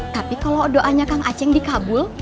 tapi kalau doanya kang aceh dikabul